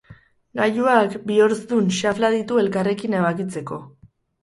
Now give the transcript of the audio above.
Gailuak bi horzdun xafla ditu elkarrekin ebakitzeko.